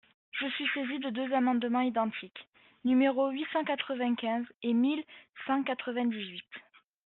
Je suis saisi de deux amendements identiques, numéros huit cent quatre-vingt-quinze et mille cent quatre-vingt-dix-huit.